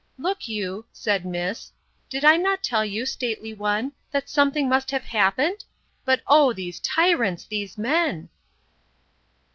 —Look you, said miss, did I not tell you, stately one, that something must have happened? But, O these tyrants! these men!